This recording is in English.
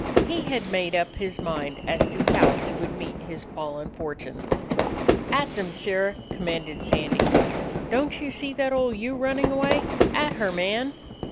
He had made up his mind as to how he would meet his fallen fortunes. "At them! Sirrah!" commanded Sandy. 9 "Don't you see that old ewe running away? At her, man!"